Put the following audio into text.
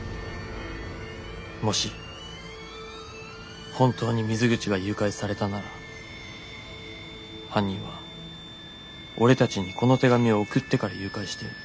もし本当に水口が誘拐されたなら犯人は俺たちにこの手紙を送ってから誘拐してる。